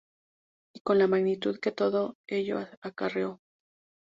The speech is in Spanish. Y con la magnitud que todo ello acarreó.